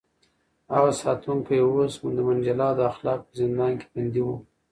هغه ساتونکی اوس د منډېلا د اخلاقو په زندان کې بندي و.